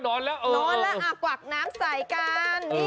นอนแล้วกวักน้ำใส่กัน